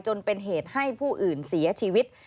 จนเป็นเหตุให้ผู้อื่นเสียชีวิต